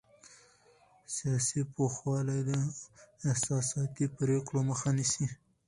سیاسي پوخوالی د احساساتي پرېکړو مخه نیسي